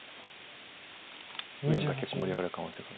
右辺が結構盛り上がる可能性が。